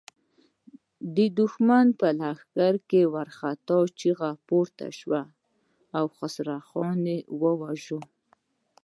د دښمن په لښکر کې وارخطا چيغې پورته شوې: خسرو خان يې وواژه!